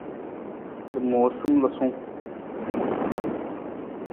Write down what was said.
Lamoosam lasung.